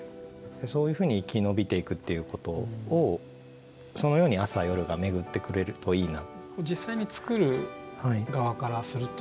そういうふうにいきのびていくっていうことをそのように朝夜が巡ってくれるといいな。